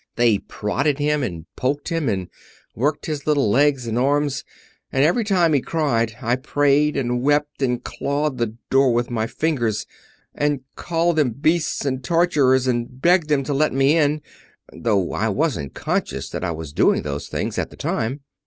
They prodded him, and poked him, and worked his little legs and arms, and every time he cried I prayed, and wept, and clawed the door with my fingers, and called them beasts and torturers and begged them to let me in, though I wasn't conscious that I was doing those things at the time.